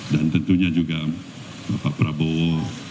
dan tentunya juga bapak prabowo